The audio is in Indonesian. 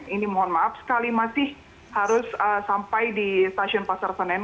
ini mohon maaf sekali masih harus sampai di stasiun pasar senen